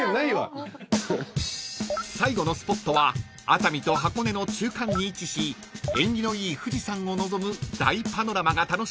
［最後のスポットは熱海と箱根の中間に位置し縁起のいい富士山を望む大パノラマが楽しめる十国峠］